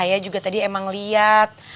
saya juga tadi emang liat